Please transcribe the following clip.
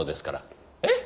えっ？